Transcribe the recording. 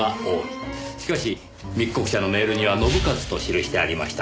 しかし密告者のメールには「ノブカズ」と記してありました。